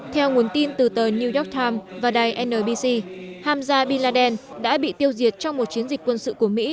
theo nguồn tin từ tờ new york times và đài nbc hamza biladen đã bị tiêu diệt trong một chiến dịch quân sự của mỹ